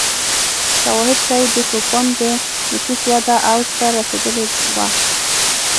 شواهد ښيي د کوپان د نفوس وده اوج ته رسېدلې وه